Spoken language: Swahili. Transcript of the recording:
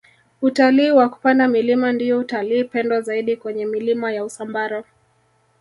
utalii wa kupanda milima ndiyo utalii pendwa zaidi kwenye milima ya usambara